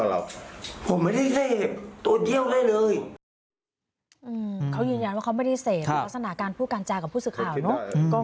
ลักษณะการพูดกันจากกับผู้สื่อข่าวเนอะ